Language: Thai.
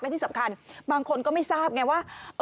และที่สำคัญบางคนก็ไม่ทราบไงว่า